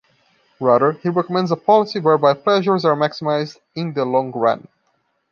Rather, he recommends a policy whereby pleasures are maximized "in the long run".